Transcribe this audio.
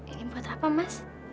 ingin buat apa mas